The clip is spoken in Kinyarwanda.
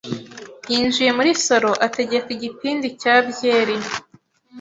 yinjiye muri salo ategeka igipindi cya byeri.